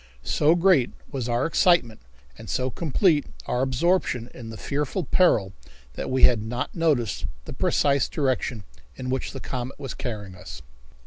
So great was our excitement and so complete our absorption in the fearful peril that we had not noticed the precise direction in which the comet was carrying us.